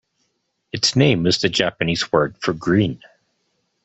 Its name is the Japanese word for "green".